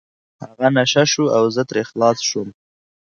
هغه نشه شو او زه ترې خلاص شوم.